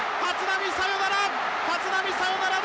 立浪サヨナラ！